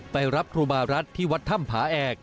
ไปรับครูบารัฐที่วัดถ้ำผาแอก